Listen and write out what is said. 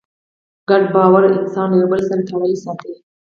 ګډ باور انسانان له یوه بل سره تړلي ساتي.